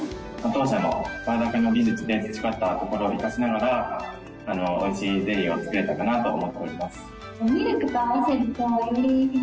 当社のパウダー化の技術で培ったところを生かしながら、おいしいゼリーを作れたかなと思っております。